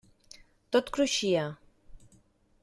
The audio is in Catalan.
Tot cruixia.